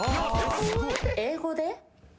英語で？